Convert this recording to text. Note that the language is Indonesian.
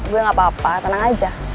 gue gapapa tenang aja